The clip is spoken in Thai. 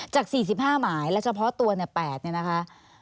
จาก๔๕หมายและเฉพาะตัวเนี่ย๘เนี่ยนะคะ